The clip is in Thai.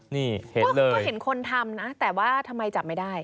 นี่ก็คือเห็นคนทำนะแต่ว่าทำไมจับไม่ได้